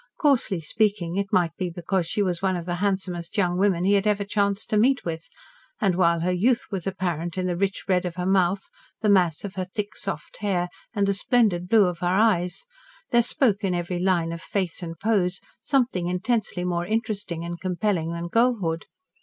Coarsely speaking, it might be because she was one of the handsomest young women he had ever chanced to meet with, and while her youth was apparent in the rich red of her mouth, the mass of her thick, soft hair and the splendid blue of her eyes, there spoke in every line of face and pose something intensely more interesting and compelling than girlhood.